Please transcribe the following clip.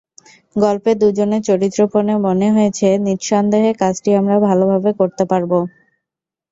গল্পে দুজনের চরিত্র পড়ে মনে হয়েছে নিঃসন্দেহে কাজটি আমরা ভালোভাবে করতে পারব।